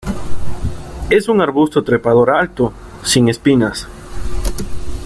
Es un arbusto trepador alto, sin espinas.